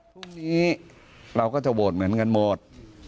พรุ่งนี้เราก็จะโหวตเหมือนกันหมด